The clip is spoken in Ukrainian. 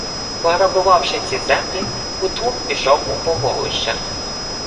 Пограбувавши ці землі, Кутлук пішов у Поволжя